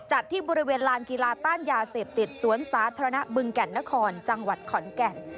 ที่บริเวณลานกีฬาต้านยาเสพติดสวนสาธารณะบึงแก่นนครจังหวัดขอนแก่น